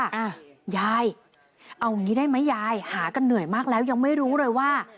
ยายเอาอย่างงี้ได้ไหมยายหากันเหนื่อยมากแล้วยังไม่รู้เลยว่า